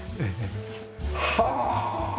はあ！